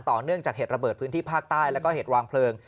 เนื่องจากเหตุระเบิดพื้นที่ภาคใต้แล้วก็เหตุวางเพลิง